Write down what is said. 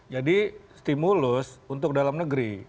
jadi stimulus untuk dalam negeri